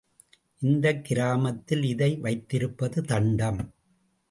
இந்தக் கிராமத்தில் இதை வைத்திருப்பது தண்டம்.